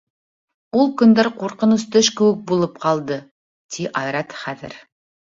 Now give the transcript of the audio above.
Ул көндәр ҡурҡыныс төш кеүек булып ҡалды, — ти Айрат хәҙер.